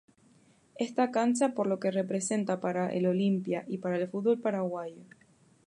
Esta cancha, por lo que representa para el Olimpia y para el fútbol paraguayo.